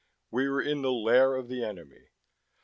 We were in the lair of the enemy.